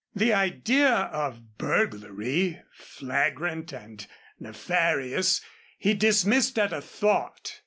The idea of burglary, flagrant and nefarious, he dismissed at a thought.